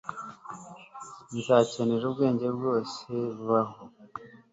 nzakenera ubwenge bwose bubaho